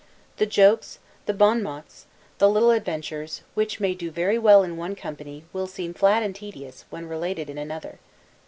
The jokes, the 'bonmots,' the little adventures, which may do very well in one company, will seem flat and tedious, when related in another.